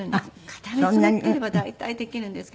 片目つむっていれば大体できるんですけど。